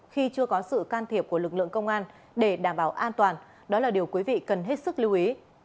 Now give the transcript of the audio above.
khi chưa có sự can thiệp của lực lượng công an để đảm bảo an toàn đó là điều quý vị cần hết sức lưu ý